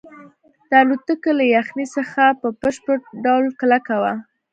دا الوتکه له یخنۍ څخه په بشپړ ډول کلکه وه